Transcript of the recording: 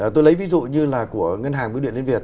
tôi lấy ví dụ như là của ngân hàng bưu điện liên việt